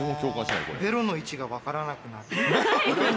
「ベロの位置がわからなくなる」。